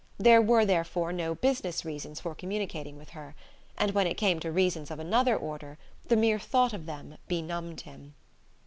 There were therefore no "business" reasons for communicating with her; and when it came to reasons of another order the mere thought of them benumbed him.